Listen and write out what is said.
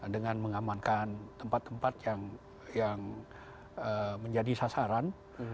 dengan mengamankan tempat tempat yang menjadi sasaran